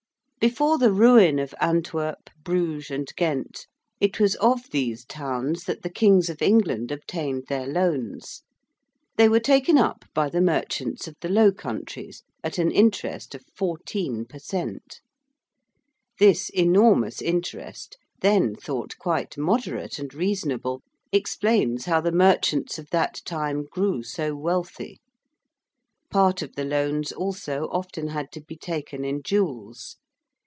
Before the ruin of Antwerp, Bruges, and Ghent, it was of these towns that the Kings of England obtained their loans. They were taken up by the merchants of the Low Countries at an interest of 14 per cent. This enormous interest, then thought quite moderate and reasonable, explains how the merchants of that time grew so wealthy. Part of the loans, also, often had to be taken in jewels.